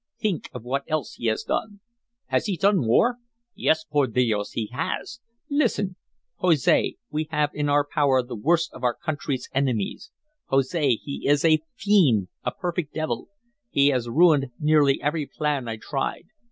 Think of what else he has done." "Has he done more?" "Yes, por dios, he has. Listen. Jose, we have in our power the worst of our country's enemies. Jose, he is a fiend, a perfect devil. He has ruined nearly every plan I tried.